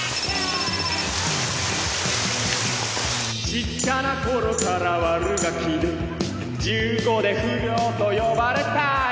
「ちっちゃな頃から悪ガキで１５で不良と呼ばれたよ」